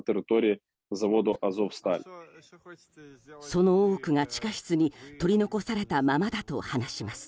その多くが、地下室に取り残されたままだと話します。